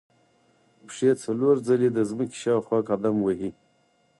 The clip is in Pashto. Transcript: پښې څلور ځلې د ځمکې شاوخوا قدم وهي.